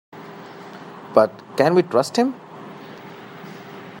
But can we trust him?